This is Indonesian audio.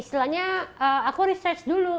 istilahnya aku research dulu